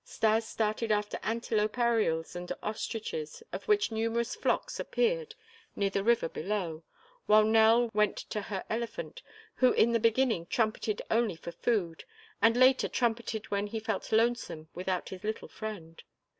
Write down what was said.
Stas started after antelope ariels and ostriches, of which numerous flocks appeared near the river below, while Nell went to her elephant, who in the beginning trumpeted only for food and later trumpeted when he felt lonesome without his little friend.